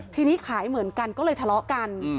ทีนี้ขายเหมือนกันก็เลยทะเลาะกัน